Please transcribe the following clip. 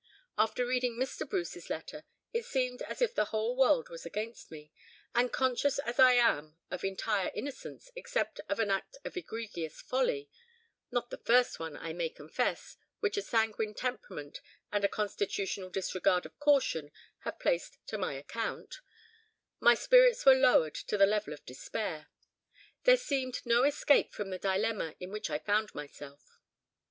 After reading Mr. Bruce's letter, it seemed as if the whole world was against me; and, conscious as I was of entire innocence, except of an act of egregious folly (not the first one, I may confess, which a sanguine temperament and a constitutional disregard of caution have placed to my account), my spirits were lowered to the level of despair. There seemed no escape from the dilemma in which I found myself.